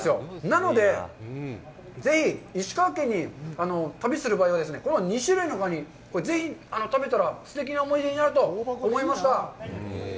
なので、ぜひ、石川県に旅する場合は、２種類のカニ、食べたらすてきな思い出になると思いました。